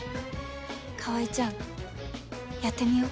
川合ちゃんやってみよう。